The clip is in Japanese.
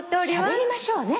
しゃべりましょうね。